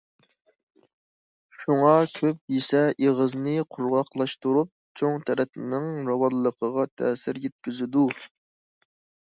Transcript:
شۇڭا كۆپ يېسە ئېغىزنى قۇرغاقلاشتۇرۇپ، چوڭ تەرەتنىڭ راۋانلىقىغا تەسىر يەتكۈزىدۇ.